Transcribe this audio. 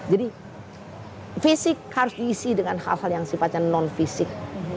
jadi fisik harus diisi dengan hal hal yang sifatnya non fisik